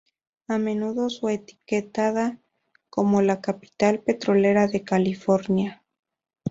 A menudo es etiquetada como la capital petrolera de California.